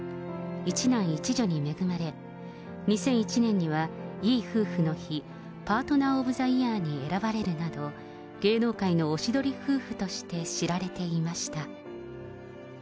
１男１女に恵まれ、２００１年にはいい夫婦の日パートナー・オブ・ザ・イヤーに選ばれるなど、芸能界のおしどり夫婦として知られていました。